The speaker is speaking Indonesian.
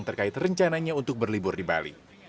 terkait rencananya untuk berlibur di bali